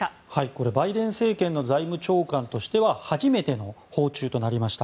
これ、バイデン政権の財務長官としては初めての訪中となりました。